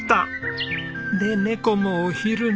で猫もお昼寝。